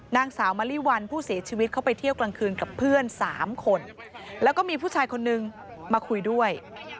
นางสาวมะลิวันผู้เสียชีวิตเขาไปเที่ยวกลางคืนกับเพื่อน๓คนแล้วก็มีผู้ชายคนนึงมาคุยด้วย